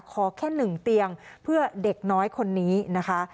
ขอแค่๑เตียงเพื่อเด็กน้อยคนนี้นะคะ